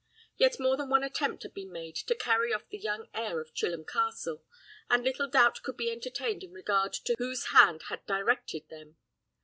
Yet more than one attempt had been made to carry off the young heir of Chilham Castle, and little doubt could be entertained in regard to whose hand had directed them.